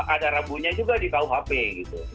ada rambunya juga di kau hp gitu